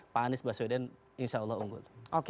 pak anies baswedan insya allah unggul